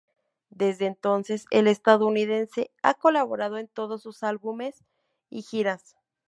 Desde entonces, el estadounidense ha colaborado en todos sus álbumes y giras.